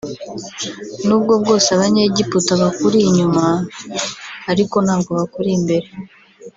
nubwo bwose abanyegiputa bakuri inyuma ariko ntabwo bakuri imbere